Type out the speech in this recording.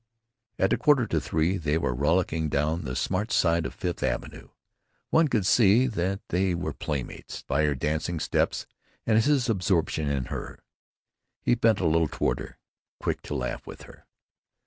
At a quarter to three they were rollicking down the "smart side" of Fifth Avenue. One could see that they were playmates, by her dancing steps and his absorption in her. He bent a little toward her, quick to laugh with her.